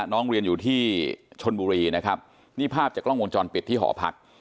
น้องเรียนอยู่ที่ชนบุรีนะครับนี่ภาพจากกล้องวงจรปิดที่หอพัก